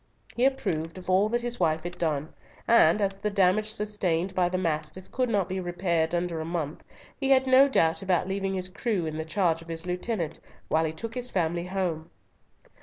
He approved of all that his wife had done; and as the damage sustained by the Mastiff could not be repaired under a month, he had no doubt about leaving his crew in the charge of his lieutenant while he took his family home.